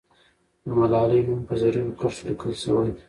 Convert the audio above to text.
د ملالۍ نوم په زرینو کرښو لیکل سوی.